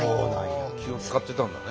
気を遣ってたんだね